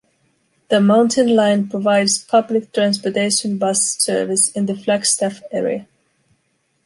The Mountain Line provides public transportation bus service in the Flagstaff area.